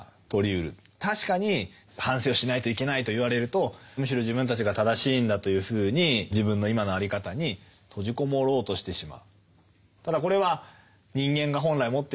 確かに反省をしないといけないと言われるとむしろ自分たちが正しいんだというふうに自分の今の在り方に閉じ籠もろうとしてしまう。